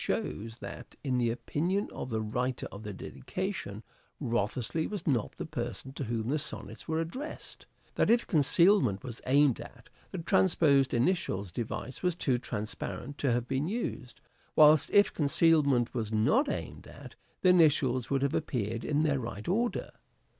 shows that, in the opinion of the writer of the dedication, Wriothesley was not the person to whom the Sonnets were addressed ; that, if concealment was aimed at, the transposed initials device was too transparent to have been used : whilst if concealment was not aimed at, the initials would have appeared in their right order.